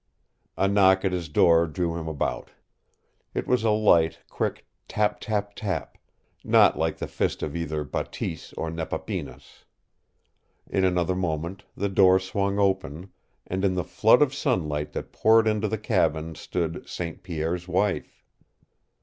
A knock at his door drew him about. It was a light, quick TAP, TAP, TAP not like the fist of either Bateese or Nepapinas. In another moment the door swung open, and in the flood of sunlight that poured into the cabin stood St. Pierre's wife!